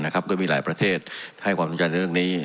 ก็มีหลายประเทศให้ความสนใจในเรื่องนี้